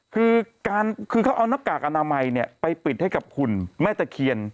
คือการคือเขาเอานักกากอนามัยเนี่ยไปปิดให้กับคุณแม่ตะเขียน